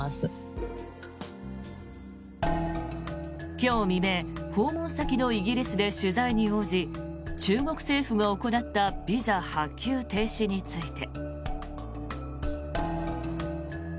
今日未明訪問先のイギリスで取材に応じ中国政府が行ったビザ発給停止について。